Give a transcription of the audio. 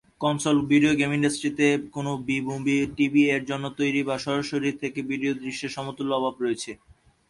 Console video game ইন্ডাস্ট্রিতে কোনও B movie, টিভি-এর জন্য তৈরি, বা সরাসরি-থেকে-ভিডিও দৃশ্যের সমতুল্য অভাব রয়েছে।